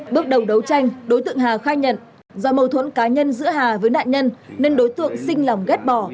bước đầu đấu tranh đối tượng hà khai nhận do mâu thuẫn cá nhân giữa hà với nạn nhân nên đối tượng xinh lòng ghép bỏ